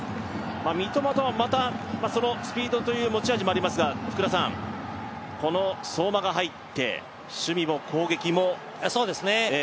三笘とはスピードという持ち味もありますが、この相馬が入って、守備も攻撃も。